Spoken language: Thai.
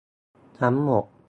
ทั้งหมด